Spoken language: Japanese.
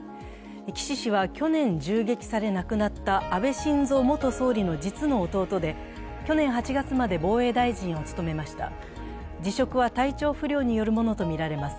岸氏は、去年銃撃され亡くなった安倍晋三元総理の実の弟で、去年８月まで防衛大臣を務めました辞職は体調不良によるものとみられます。